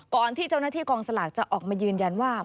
ก่อนที่เจ้าหน้าที่กองสลากจะออกมายืนยันว่า